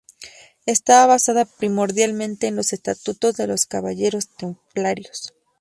Estaba basada primordialmente en los estatutos de los Caballeros Templarios.